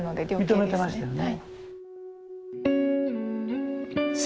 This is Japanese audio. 認めてましたよね。